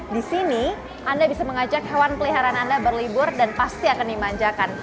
di sini anda bisa mengajak hewan peliharaan anda berlibur dan pasti akan dimanjakan